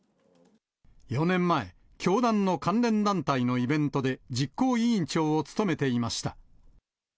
４年前、教団の関連団体のイベントで、実行委員長を務めていました。